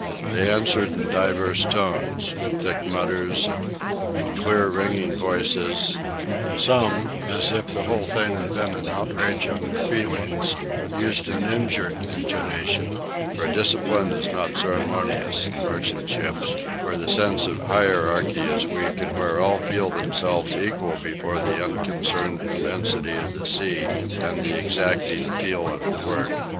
They answered in divers tones: in thick mutters, in clear, ringing voices; and some, as if the whole thing had been an outrage on their feelings, used an injured intonation: for discipline is not ceremonious in merchant ships, where the sense of hierarchy is weak, and where all feel themselves equal before the unconcerned immensity of the sea and the exacting appeal of the work.